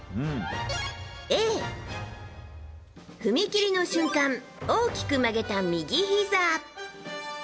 Ａ、踏み切りの瞬間大きく曲げた右ひざ。